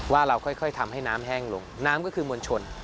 ว่าเราค่อยทำให้น้ำแห้งลงน้ำก็คือมวลชน